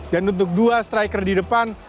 dan untuk dua striker di depan